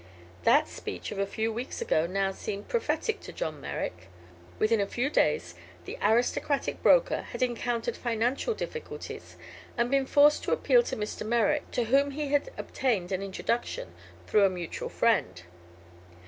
That speech of a few weeks ago now seemed prophetic to John Merrick. Within a few days the aristocratic broker had encountered financial difficulties and been forced to appeal to Mr. Merrick, to whom he obtained an introduction through a mutual friend.